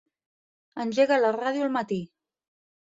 Engega la ràdio al matí.